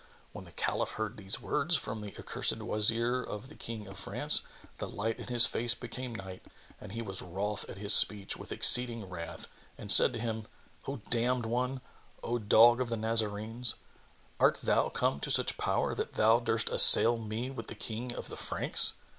When the Caliph heard these words from the accursed Wazir of the King of France, the light in his face became night and he was wroth at his speech with exceeding wrath and said to him, "O damned one, O dog of the Nazarenes, art thou come to such power that thou durst assail me with the King of the Franks?"